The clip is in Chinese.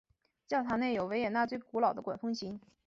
教堂内有维也纳最古老的管风琴。